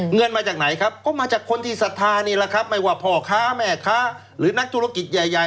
มาจากไหนครับก็มาจากคนที่ศรัทธานี่แหละครับไม่ว่าพ่อค้าแม่ค้าหรือนักธุรกิจใหญ่